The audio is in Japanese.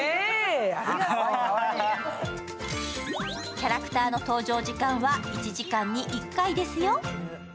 キャラクターの登場時間は１時間に１回ですよ。